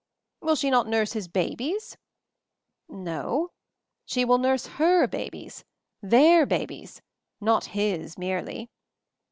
"Will she not nurse his babies ?" "No; she will nurse her babies — their babies, not 'his' merely